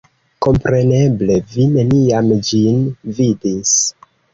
Kompreneble, vi neniam ĝin vidis.